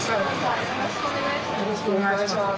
よろしくお願いします。